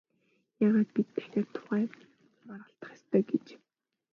Яагаад бид дахиад энэ тухай маргалдах ёстой гэж?